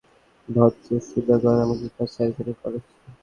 ভদ্র শ্রোতাগণ, আমাদের কাছে একজনের কল এসেছে।